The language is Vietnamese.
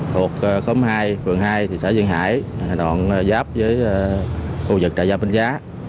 thuộc khóm hai phường hai thị xã duyên hải đoạn giáp với khu vực trà gia binh giá